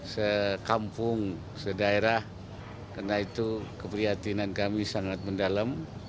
sekampung sedaerah karena itu keprihatinan kami sangat mendalam